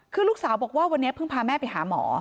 คือลูกสาวบอกว่าวันนี้เพิ่งพาแม่ไปหาหมอ